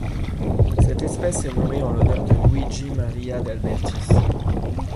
Cette espèce est nommée en l'honneur de Luigi Maria d'Albertis.